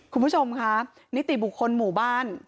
คุณผู้ชมค่ะนิติบุคคลหมู่บ้าน